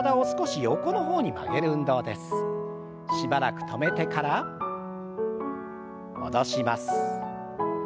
しばらく止めてから戻します。